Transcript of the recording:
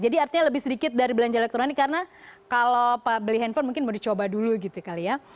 jadi artinya lebih sedikit dari belanja elektronik karena kalau beli handphone mungkin mau dicoba dulu gitu kali ya